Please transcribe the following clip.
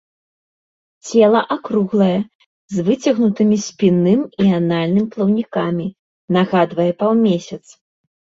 Цела акруглае, з выцягнутымі спінным і анальным плаўнікамі, нагадвае паўмесяц.